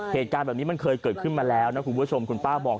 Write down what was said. เหตุการณ์แบบนี้มันเคยเกิดขึ้นมาแล้วนะคุณผู้ชมคุณป้าบอก